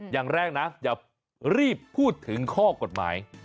อย่างแรกนะอย่ารีบพูดถึงข้อกฎหมาย